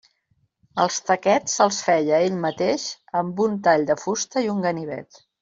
Els taquets se'ls feia ell mateix amb un tall de fusta i un ganivet.